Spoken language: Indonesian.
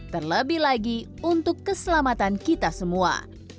terlebih lagi untuk keselamatan kita semua